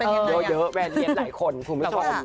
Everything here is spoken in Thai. เยอะแวนเลียนหลายคนคุณผู้ชม